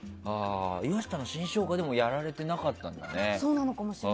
岩下の新生姜でもやられてなかったんだね。